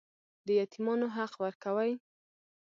د یتیمانو حق ورکوئ؟